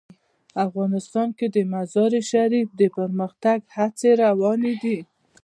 افغانستان کې د مزارشریف د پرمختګ هڅې روانې دي.